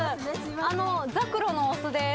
あのザクロのお酢です。